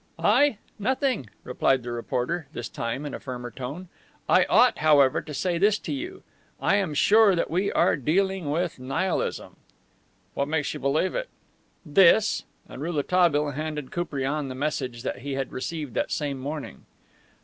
"I? Nothing," replied the reporter, this time in a firmer tone. "I ought, however, to say this to you: I am sure that we are dealing with Nihilism..." "What makes you believe it?" "This." And Rouletabille handed Koupriane the message he had received that same morning.